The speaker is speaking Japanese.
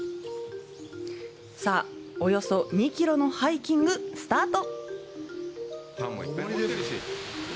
さあ、およそ２キロのハイキング、スタート！